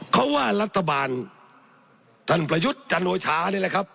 เขาว่ารัฐบาลท่านประยุทธ์จันโอชานี่แหละครับ